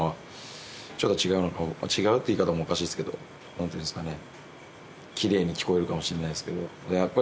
何ていうんですかね。